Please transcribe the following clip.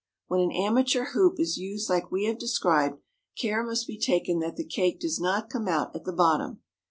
When an "amateur hoop" is used like we have described, care must be taken that the cake does not come out at the bottom.